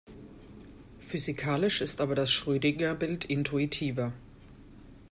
Physikalisch ist aber das Schrödinger-Bild intuitiver.